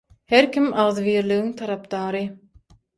Her kim agzybirligiň tarapdary